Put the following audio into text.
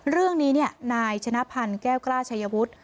เรื่องนี้นายชนะพันธ์แก้วกล้าชัยวุฒิ